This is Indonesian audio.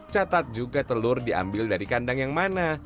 catat juga telur diambil dari kandang yang mana